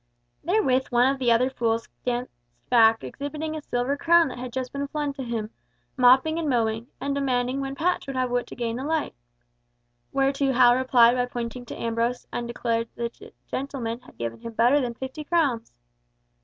Therewith one of the other fools danced back exhibiting a silver crown that had just been flung to him, mopping and mowing, and demanding when Patch would have wit to gain the like. Whereto Hal replied by pointing to Ambrose and declaring that that gentleman had given him better than fifty crowns.